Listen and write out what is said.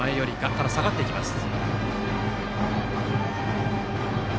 ただ、下がっていきました。